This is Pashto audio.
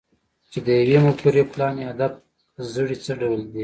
چې د يوې مفکورې، پلان، يا هدف زړی څه ډول دی؟